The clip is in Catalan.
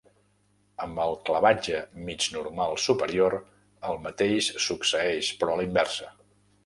Amb el cablatge mig normal superior, el mateix succeeix però a la inversa.